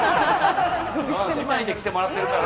姉妹で来てもらってるから。